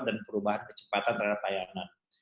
dan perubahan kecepatan layanan